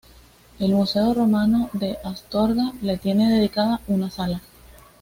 El Museo romano de Astorga le tiene dedicada una sala.